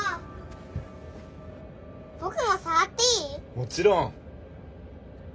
もちろん。